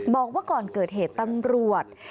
บอกว่าก่อนเกิดเหตุตำรวจ